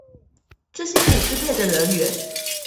這些可支配的人員